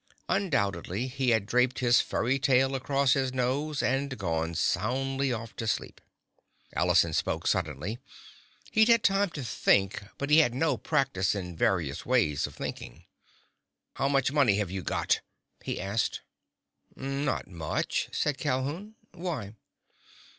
Undoubtedly he had draped his furry tail across his nose and gone soundly off to sleep. Allison spoke suddenly. He'd had time to think, but he had no practice in various ways of thinking. "How much money have you got?" he asked. "Not much," said Calhoun. "Why?"